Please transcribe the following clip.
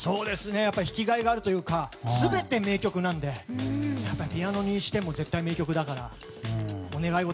弾きがいがあるというか全て名曲なのでやっぱりピアノにしても絶対に名曲だからお願い事